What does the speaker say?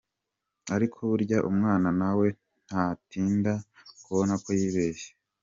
Ariko burya umwana nawe ntatinda kubona ko yibeshye.